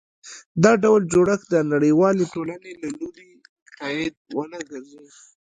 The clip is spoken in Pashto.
دا ډول جوړښت د نړیوالې ټولنې له لوري تایید ونه ګرځي.